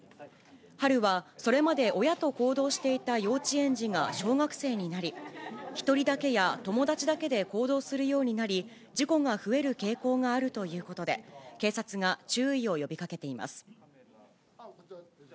春はそれまで親と行動していた幼稚園児が小学生になり、１人だけや友達だけで行動するようになり、事故が増える傾向があるということで、警察が注意を呼びかけています。